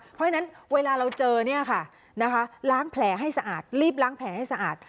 เพราะฉะนั้นเวลาเราเจอเนี่ยค่ะล้างแผลให้สะอาดรีบล้างแผลให้สะอาด